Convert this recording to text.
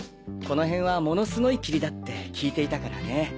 この辺はものすごい霧だって聞いていたからね。